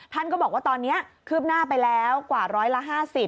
ท่านก็บอกว่าตอนนี้คืบหน้าไปแล้วกว่าร้อยละ๕๐